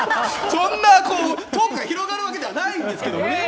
そんなトークが広がるわけではないですけどね。